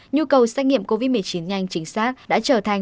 nhu cầu xét nghiệm covid một mươi chín nhanh chính xác đã trở thành